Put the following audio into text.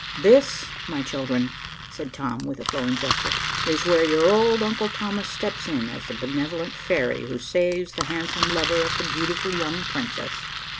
"This, my children," said Tom, with a flowing gesture, "is where your old uncle Thomas steps in as the benevolent fairy who saves the handsome lover of the beautiful young princess."